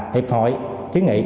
điệp hội chứng nghĩ